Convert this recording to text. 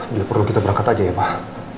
bila perlu kita berangkat aja ya pak